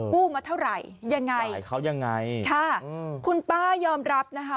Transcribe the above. กู้มาเท่าไหร่ยังไงใส่เขายังไงค่ะคุณป้ายอมรับนะคะ